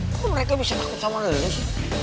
kok mereka bisa takut sama lu ini sih